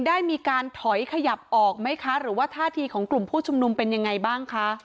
ได้มีการถอยขยับออกไหมคะหรือว่าท่าทีของกลุ่มผู้ชุมนุมเป็นยังไงบ้างคะ